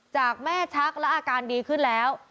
จากแม่ชักและอาการดีขึ้นแล้ว